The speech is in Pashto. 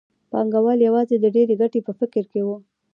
پانګوال یوازې د ډېرې ګټې په فکر کې وو